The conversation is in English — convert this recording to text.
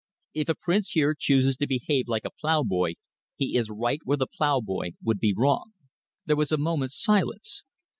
If a prince here chooses to behave like a ploughboy, he is right where the ploughboy would be wrong." There was a moment's silence.